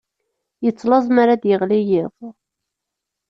Yettlaẓ mi ara d-yeɣli yiḍ